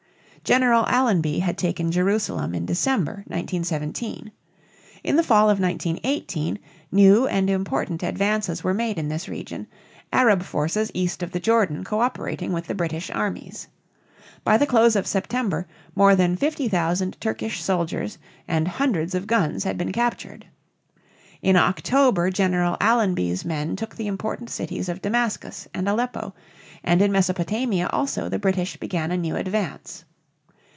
General Allenby had taken Jerusalem in December, 1917. In the fall of 1918 new and important advances were made in this region, Arab forces east of the Jordan coöperating with the British armies. By the close of September more than 50,000 Turkish soldiers and hundreds of guns had been captured. In October General Allenby's men took the important cities of Damascus and Aleppo, and in Mesopotamia also the British began a new advance.